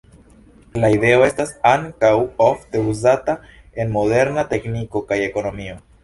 La ideo estas ankaŭ ofte uzata en moderna tekniko kaj ekonomio.